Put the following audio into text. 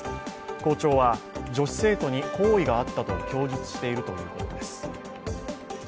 校長は女子生徒に好意があったと供述しているということです。